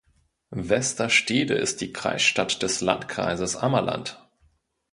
Westerstede ist die Kreisstadt des Landkreises Ammerland.